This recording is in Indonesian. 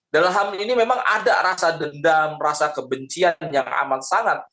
dalam hal ini memang ada rasa dendam rasa kebencian yang amat sangat